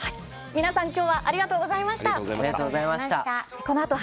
皆さん、きょうはありがとうございました。